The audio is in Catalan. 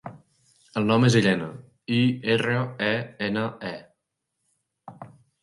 El nom és Irene: i, erra, e, ena, e.